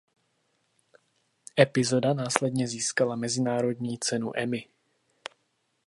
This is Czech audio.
Epizoda následně získala mezinárodní cenu Emmy.